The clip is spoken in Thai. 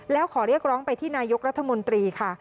แล้วขอเรียกร้องไปที่นายกรัฐมนตรีค่ะ